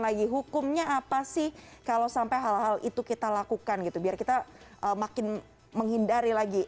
lagi hukumnya apa sih kalau sampai hal hal itu kita lakukan gitu biar kita makin menghindari lagi